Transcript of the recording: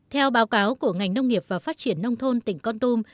theo báo cáo của ngành nông nghiệp và phát triển nông thôn tỉnh con tum